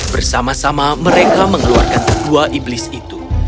bersama sama mereka mengeluarkan kedua iblis itu